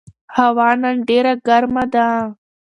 هوا نن ډېره ګرمه ده.